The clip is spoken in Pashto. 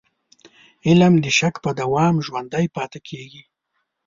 علم د شک په دوام ژوندی پاتې کېږي.